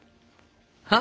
はあ？